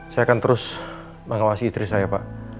saya akan terus mengawasi istri saya pak